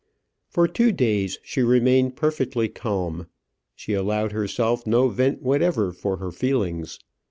For two days she remained perfectly calm. She allowed herself no vent whatever for her feelings.